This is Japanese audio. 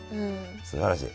すばらしい。